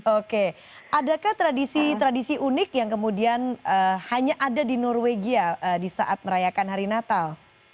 oke adakah tradisi tradisi unik yang kemudian hanya ada di norwegia di saat merayakan hari natal